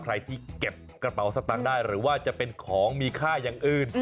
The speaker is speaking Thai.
ใครที่เก็บกระเป๋าสตางค์ได้หรือว่าจะเป็นของมีค่าอย่างอื่น